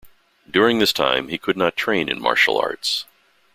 During this time he could not train in martial arts.